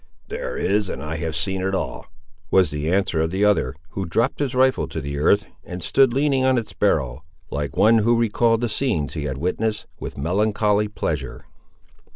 "There is, and I have seen it all," was the answer of the other, who dropped his rifle to the earth, and stood leaning on its barrel, like one who recalled the scenes he had witnessed with melancholy pleasure.